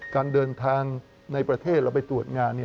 การเดินทางในประเทศเราไปตรวจงาน